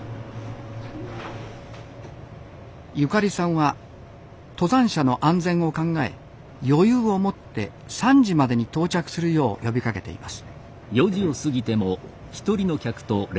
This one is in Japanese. ゆかりさんは登山者の安全を考え余裕を持って３時までに到着するよう呼びかけています。